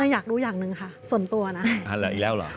อยากดูอย่างหนึ่งปุ๊บค่ะบันดาลหารสกรรม